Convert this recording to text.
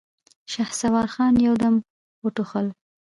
شهسوار خان يودم وټوخل.